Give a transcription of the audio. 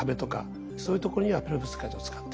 そういうところにはペロブスカイトを使ってく。